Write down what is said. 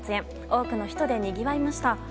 多くの人でにぎわいました。